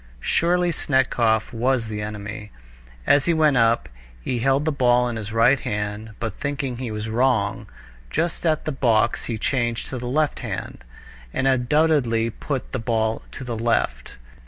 Surely Snetkov was the enemy. As he went up, he held the ball in his right hand, but thinking he was wrong, just at the box he changed to the left hand, and undoubtedly put the ball to the left.